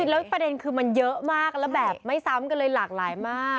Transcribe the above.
แล้วประเด็นคือมันเยอะมากแล้วแบบไม่ซ้ำกันเลยหลากหลายมาก